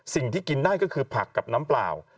กินได้ก็คือผักกับน้ำเปล่า